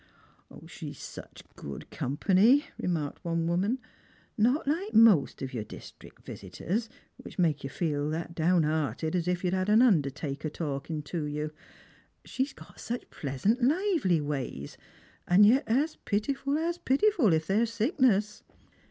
" She's such good company," remarked one woman :" not like most of your districk visitors, which make you feel that down hearted as if you'd had a undertaker talkin' to you. She's got such pleasant lively ways, and yet as pitiful as j)itiful if there's sickness.